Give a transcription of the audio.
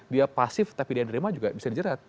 dia pasif tapi dia terima juga bisa dijerat